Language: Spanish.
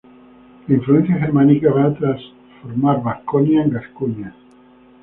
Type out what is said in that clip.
La influencia germánica va a transformar Vasconia en Gascuña.